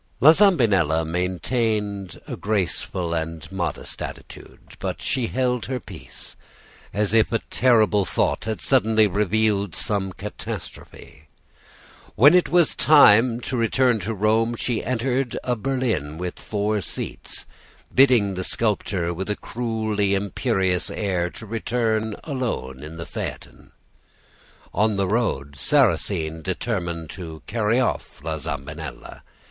"La Zambinella maintained a graceful and modest attitude; but she held her peace, as if a terrible thought had suddenly revealed some catastrophe. When it was time to return to Rome she entered a berlin with four seats, bidding the sculptor, with a cruelly imperious air, to return alone in the phaeton. On the road, Sarrasine determined to carry off La Zambinella.